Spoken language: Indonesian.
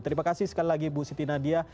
terima kasih sekali lagi bu siti nadia